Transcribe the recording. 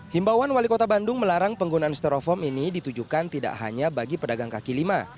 himbawan wali kota bandung melarang penggunaan steroform ini ditujukan tidak hanya bagi pedagang kaki lima